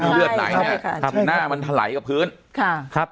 มีเลือดไหนใช่ค่ะครับหน้ามันถลายกับพื้นค่ะครับ